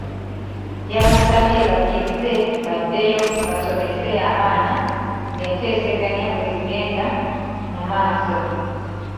Yabasabye bakkirize baddeyo basomese abaana ng'enteeseganya bwe zigenda mu maaso.